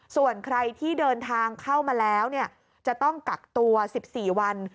ส่วนใครที่เดินทางเข้ามาแล้วจะต้องกักตัว๑๔วัน